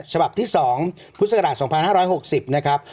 ฉบับที่สองพุทธศักราชสองพันห้าร้อยหกสิบนะครับ